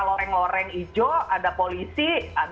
loreng loreng hijau ada polisi